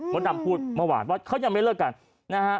ดำพูดเมื่อวานว่าเขายังไม่เลิกกันนะฮะ